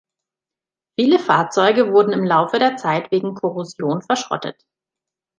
Viele Fahrzeuge wurden im Laufe der Zeit wegen Korrosion verschrottet.